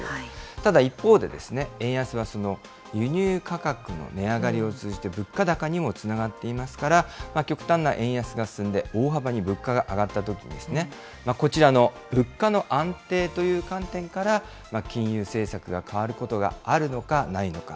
ただ一方で、円安は輸入価格の値上がりを通じて、物価高にもつながっていますから、極端な円安が進んで、大幅に物価が上がったときに、こちらの物価の安定という観点から、金融政策が変わることがあるのかないのか。